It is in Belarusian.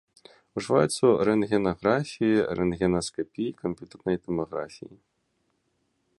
Ужываецца ў рэнтгенаграфіі, рэнтгенаскапіі, камп'ютарнай тамаграфіі.